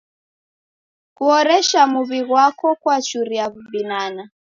Kuhoresha muw'i ghwako kwachuria w'ubinana.